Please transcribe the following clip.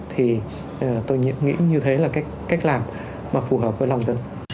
thì tôi nghĩ như thế là cái cách làm mà phù hợp với lòng dân